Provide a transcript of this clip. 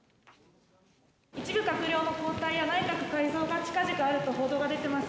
一部閣僚の交代や内閣改造が近々あると報道が出てます。